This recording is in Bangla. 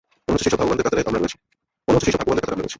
মনে হচ্ছে, সেইসব ভাগ্যবানদের কাতারে আমরা রয়েছি!